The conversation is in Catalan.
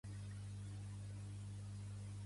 Un mindundi com tu a mi no m'amarga la vida